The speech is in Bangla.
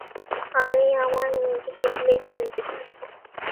আমি আমার মেয়েকে দেখলেই চিনতে পারব।